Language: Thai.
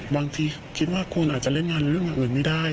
บางทีคิดว่าคุณอาจจะเล่นงานเรื่องอย่างอื่นไม่ได้